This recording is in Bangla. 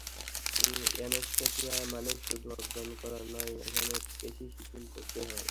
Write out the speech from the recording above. অ্যানেসথেসিয়া মানেই শুধু অজ্ঞান করা নয়, এখানে পেশি শিথিল করতে হয়।